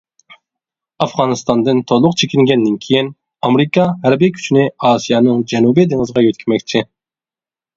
ئافغانىستاندىن تولۇق چېكىنگەندىن كېيىن، ئامېرىكا ھەربىي كۈچىنى ئاسىيانىڭ جەنۇبىي دېڭىزىغا يۆتكىمەكچى.